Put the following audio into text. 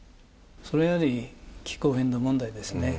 それはやはり気候変動問題ですね。